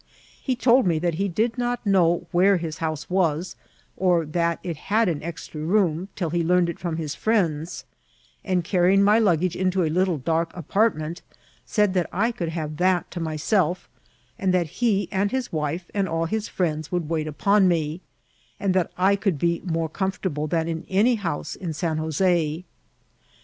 He told me that he did not know where his house was, or that it had an extra room, till he learn ed it from his friends ; and carrying my luggage into a little dark apartment, said that I could have that to myself, and that he, and his wife, and all his friends would wait upon me, and that I could be more comfort able than in any house in San Jos^.